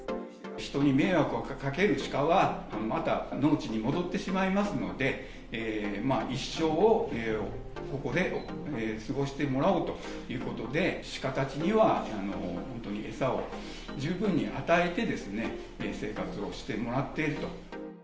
人に迷惑をかけるシカは、また農地に戻ってしまいますので、一生をここで過ごしてもらおうということで、シカたちには本当に餌を十分に与えて、生活をしてもらってと。